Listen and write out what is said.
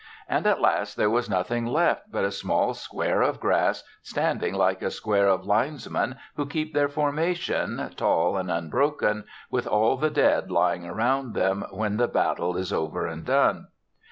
And at last there was nothing left but a small square of grass, standing like a square of linesmen who keep their formation, tall and unbroken, with all the dead lying around them when the battle is over and done.